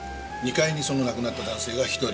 ２階にその亡くなった男性が１人。